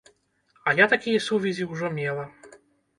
А я такія сувязі ўжо мела.